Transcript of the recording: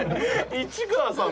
市川さん